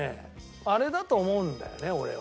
あれだと思うんだよね俺は。